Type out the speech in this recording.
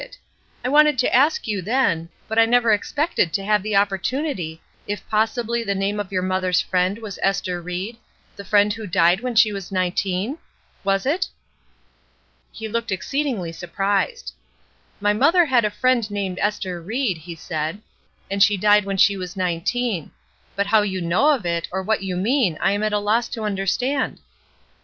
it. I wanted to ask you, then, but I never expected to have the opportunity, if possibly the name of your mother's friend was Ester Ried — the friend who died when she was nineteen? Was it?" He looked exceedingly surprised. "My mother had a friend named Ester Ried," he said, "and she died when she was nineteen; but how you know of it or what you mean I am at a loss to understand."